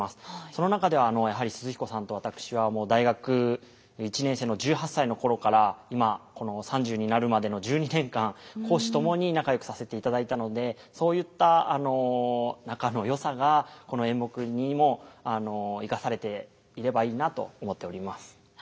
その中でやはり寿々彦さんと私は大学１年生の１８歳の頃から今この３０になるまでの１２年間公私ともに仲良くさせていただいたのでそういった仲の良さがこの演目にも生かされていればいいなと思っております。